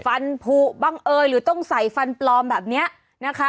ฟันผูบังเอยหรือต้องใส่ฟันปลอมแบบนี้นะคะ